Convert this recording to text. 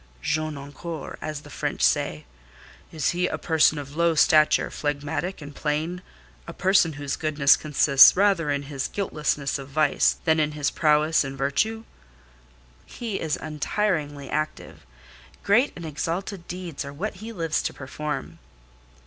"'Jeune encore,' as the French say. Is he a person of low stature, phlegmatic, and plain. A person whose goodness consists rather in his guiltlessness of vice, than in his prowess in virtue." "He is untiringly active. Great and exalted deeds are what he lives to perform."